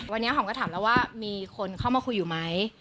วันนี้หอมก็ถามแล้วว่ามีคนเข้ามาคุยอยู่ไหม